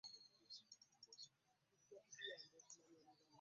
Ekiseera eky'okuzaalirwamu, n'ekiseera eky'okufiiramu